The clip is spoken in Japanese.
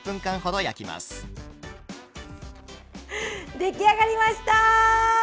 出来上がりました！